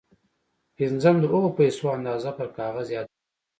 پنځم د هغو پيسو اندازه پر کاغذ ياداښت کړئ.